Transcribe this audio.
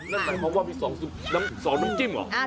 นั่นแต่เพราะว่ามี๒น้ำจิ้มเหรอ